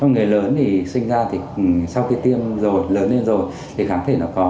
người lớn thì sinh ra thì sau khi tiêm rồi lớn lên rồi thì kháng thể nó có